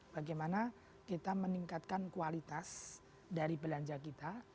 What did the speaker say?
bagaimana kita meningkatkan kualitas dari belanja kita